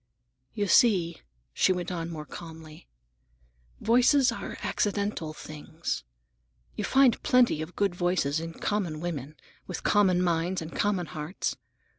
"You see," she went on more calmly, "voices are accidental things. You find plenty of good voices in common women, with common minds and common hearts.